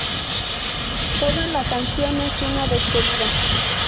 Toda la canción es una despedida.